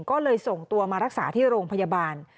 ก็เลยส่งตัวมารักษาที่โรงพยาบาล